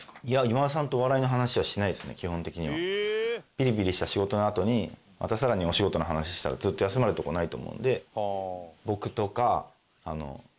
ピリピリした仕事のあとにまた更にお仕事の話をしたらずっと休まるとこないと思うんで。